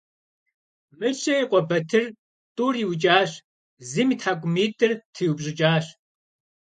Мыщэ и къуэ Батыр тӀур иукӀащ, зым и тхьэкӀумитӀыр триупщӀыкӀащ.